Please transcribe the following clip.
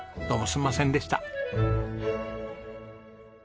どうもすみませんでした。